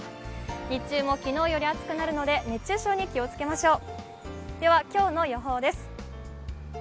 日中も昨日より暑くなるので、熱中症に気をつけましょう。